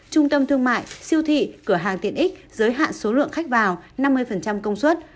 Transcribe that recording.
trung tâm thương mại siêu thị cửa hàng tiện ích giới hạn số lượng khách vào năm mươi công suất